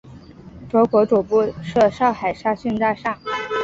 中国总部设上海沙逊大厦。